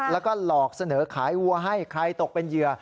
แล้วก็หลอกเสนอขายวัวให้ใครตกเป็นเหยื่อ